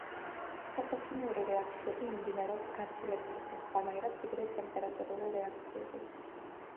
ფოტოქიმიური რეაქციები მიმდინარეობს გაცილებით უფრო სხვანაირად ვიდრე ტემპერატურული რეაქციები.